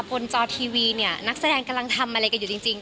จอทีวีเนี่ยนักแสดงกำลังทำอะไรกันอยู่จริง